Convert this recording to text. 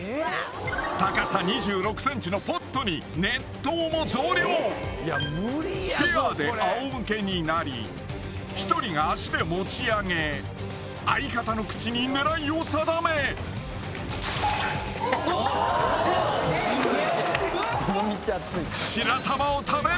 高さ２６ｃｍのポットに熱湯も増量ペアであおむけになり１人が足で持ち上げ相方の口に狙いを定めすげぇな。